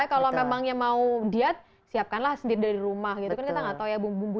kalau memang mau diet siapkanlah sendiri dari rumah kita nggak tahu ya bumbu bumbu